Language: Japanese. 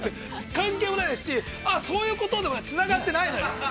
◆関係もないですしそういうことってつながってもないのよ。